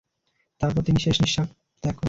তারপর তিনি শেষ নিঃশ্বাস ত্যাগ করলেন।